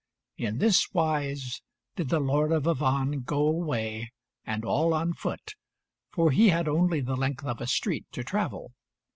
In this wise did the Lord of Avannes go away, and all on foot, for he had only the length of a street to travel.